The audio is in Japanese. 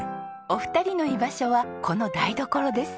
お二人の居場所はこの台所です。